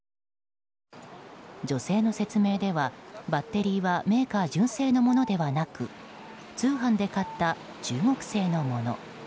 女性の説明では、バッテリーはメーカー純正のものではなく通販で買った中国製のもの。